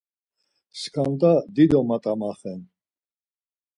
Skanda dido mat̆amaxen.